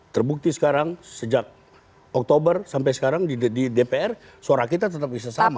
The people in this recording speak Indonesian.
terbukti sekarang sejak oktober sampai sekarang di dpr suara kita tetap bisa sama